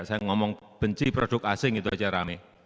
saya ngomong benci produk asing itu aja rame